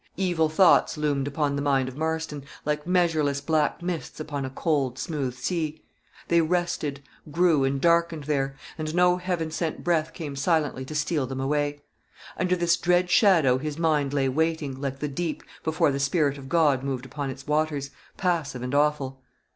Evil thoughts loomed upon the mind of Marston, like measureless black mists upon a cold, smooth sea. They rested, grew, and darkened there; and no heaven sent breath came silently to steal them away. Under this dread shadow his mind lay waiting, like the deep, before the Spirit of God moved upon its waters, passive and awful.